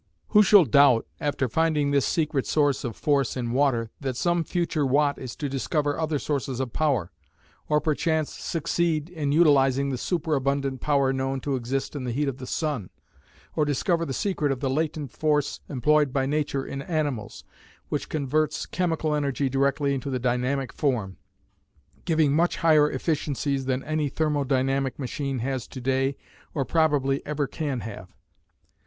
Who shall doubt, after finding this secret source of force in water, that some future Watt is to discover other sources of power, or perchance succeed in utilising the superabundant power known to exist in the heat of the sun, or discover the secret of the latent force employed by nature in animals, which converts chemical energy directly into the dynamic form, giving much higher efficiencies than any thermo dynamic machine has to day or probably ever can have.